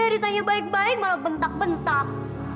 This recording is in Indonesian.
ditanya baik baik malah bentak bentak